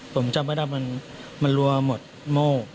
ผมจำไม่ได้ว่ามันมันรัวหมดโม่